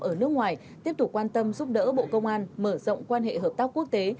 ở nước ngoài tiếp tục quan tâm giúp đỡ bộ công an mở rộng quan hệ hợp tác quốc tế